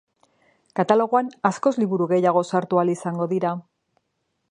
Katalogoan askoz liburu gehiago sartu ahal izango dira.